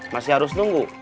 masih harus nunggu